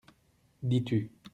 Dis-tu.